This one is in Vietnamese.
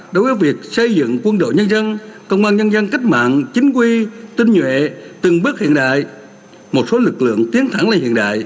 đối với việc xây dựng quân đội nhân dân công an nhân dân cách mạng chính quy tinh nhuệ từng bước hiện đại một số lực lượng tiến thẳng lên hiện đại